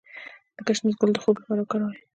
د ګشنیز ګل د خوب لپاره وکاروئ